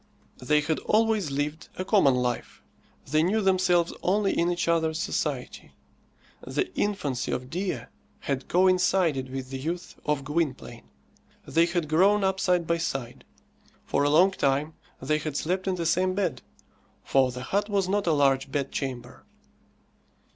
They had always lived a common life. They knew themselves only in each other's society. The infancy of Dea had coincided with the youth of Gwynplaine. They had grown up side by side. For a long time they had slept in the same bed, for the hut was not a large bedchamber.